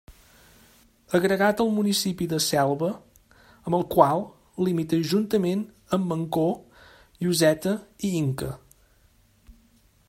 Agregat al municipi de Selva amb el qual limita juntament amb Mancor, Lloseta i Inca.